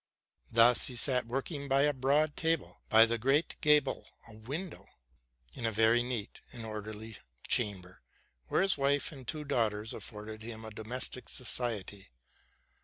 Thus he sat working by a broad table, by the great gable window, in a very neat and orderly chamber, where his wife and two daughters afforded him a domestic society.